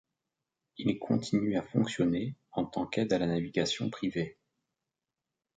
Il continue à fonctionner en tant qu’aide à la navigation privée.